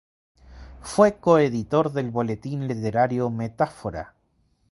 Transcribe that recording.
Fue coeditor del boletín literario "Metáfora".